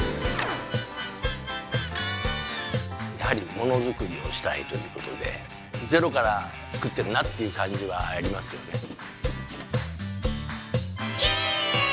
やはりもの作りをしたいということでゼロから作ってるなっていうかんじはありますよね。